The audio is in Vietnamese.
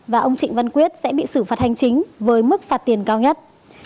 và ông trịnh văn quyết sẽ bị xử phạt hành chính với mức phạt tiền cao nhất